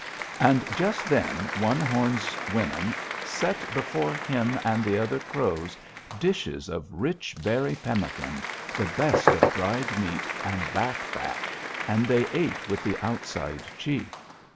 "And just then One Horn's women set before him and the other Crows dishes of rich berry pemmican, the best of dried meat and back fat, and they ate with the outside chief.